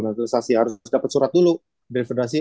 naturalisasi harus dapat surat dulu deh federasi